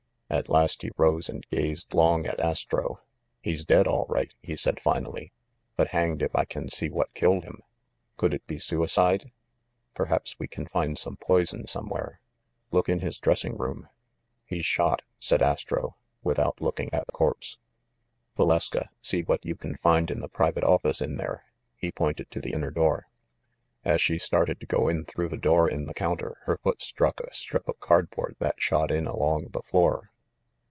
At last he arose, and gazed long at Astro. "He's dead, all right," he said finally ; "but hanged if I can see what killed him! Could it be suicide? Perhaps we can find some poison, somewhere. Look in the dressing room." "He's shot," said Astro, without looking at the 392 THE MASTER OF MYSTERIES corpse. "Valeska, see what you can find in the private office in there.'5 He pointed to the inner door. As she started to go in through the door in the counter, her foot struck a strip of cardboard that shot in along the floor.